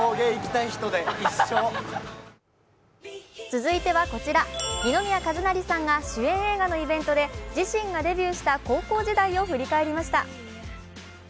続いては、二宮和也さんが主演映画のイベントで自身がデビューした高校時代を振り返りました。